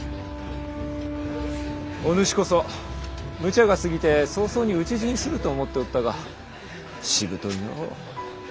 お主こそむちゃが過ぎて早々に討ち死にすると思っておったがしぶといのう。